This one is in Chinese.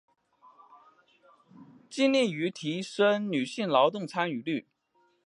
致力於提升女性劳动参与率